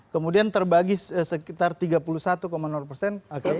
kemudian terbagi sekitar tiga puluh satu persen